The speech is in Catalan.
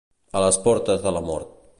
A les portes de la mort.